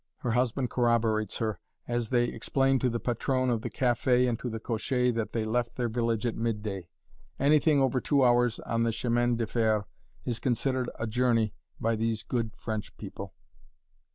Her husband corroborates her, as they explain to the patronne of the café and to the cocher that they left their village at midday. Anything over two hours on the chemin de fer is considered a journey by these good French people!